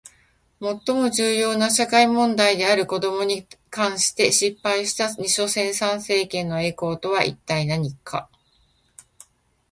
最も重要な社会問題である子どもに関して失敗した女性参政権の栄光とは一体何か？